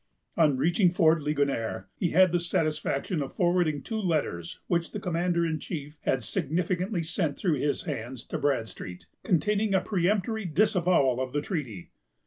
On reaching Fort Ligonier, he had the satisfaction of forwarding two letters, which the commander in chief had significantly sent through his hands, to Bradstreet, containing a peremptory disavowal of the treaty.